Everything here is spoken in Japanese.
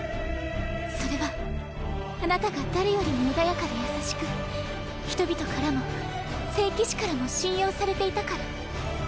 それはあなたが誰よりも穏やかで優しく人々からも聖騎士からも信用されていたから。